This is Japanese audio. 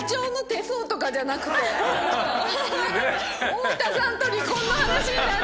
太田さんと離婚の話に。